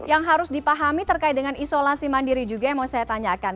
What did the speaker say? yang harus dipahami terkait dengan isolasi mandiri juga yang mau saya tanyakan